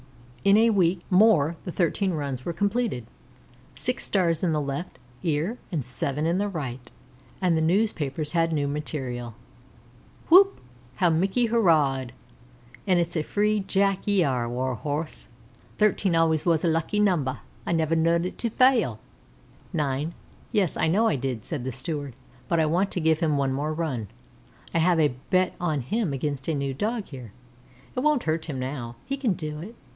In a week more the thirteen runs were completed, six stars in the left ear and seven in the right, and the newspapers had new material. "Whoop!" How Mickey hoorayed! "An' it's a free Jack ye are, Warrhorrse! Thirteen always wuz a lucky number. I never knowed it to fail." IX "Yes, I know I did," said the Steward. "But I want to give him one more run. I have a bet on him against a new Dog here. It won't hurt him now; he can do it.